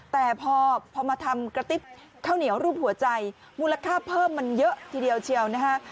แต่พอมาทำกระติบข้าวเหนียวรูปหัวใจมูลค่าเพิ่มมันเยอะทีเดียวเชียวนะฮะ